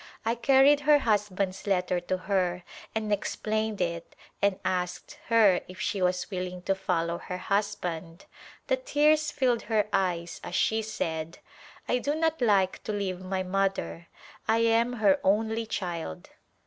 I carried her husband's letter to her and ex plained it and asked her if she was willing to follow her husband. The tears filled her eyes as she said, " I do not like to leave my mother, I am her only child."